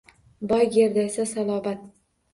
Boy gerdaysa-salobat.